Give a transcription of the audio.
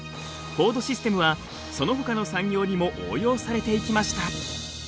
フォードシステムはそのほかの産業にも応用されていきました。